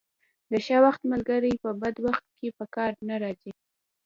د ښه وخت ملګري په بد وخت کې په کار نه راځي.